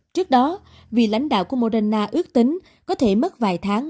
trước đó vị lãnh đạo của moderna ước tính có thể mất vài tháng